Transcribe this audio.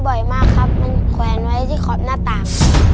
บ่อยมากครับมันแขวนไว้ที่ขอบหน้าต่าง